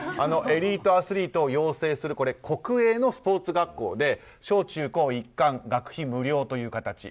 エリートアスリートを養成する国営のスポーツ学校で小中高一貫、学費無料という形。